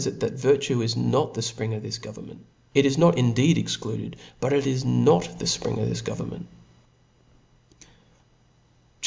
it, that virtue is not the fpring of this go vernment J It is not indeed excluded, but it is not the fpring of government, CHAP.